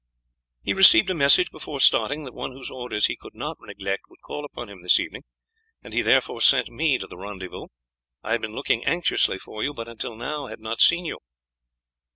"He received a message before starting that one whose orders he could not neglect would call upon him this evening, and he therefore sent me to the rendezvous. I have been looking anxiously for you, but until now had not seen you."